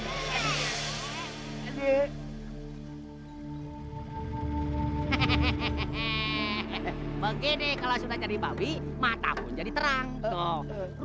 rumput pun jadi roti sebetulnya kalau sudah jadi babi matahari jadi terang oh rumput jadi roti seperti